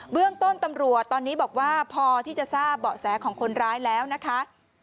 เรื่องต้นตำรวจตอนนี้บอกว่าพอที่จะทราบเบาะแสของคนร้ายแล้วนะคะ